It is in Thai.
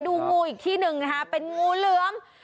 งูอีกที่หนึ่งนะคะเป็นงูเหลือม